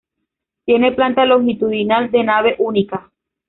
Tiene planta longitudinal, de nave única.